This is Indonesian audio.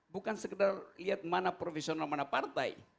bukan sekedar lihat mana profesional mana partai